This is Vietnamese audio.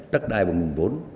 đặt đài bổng bộ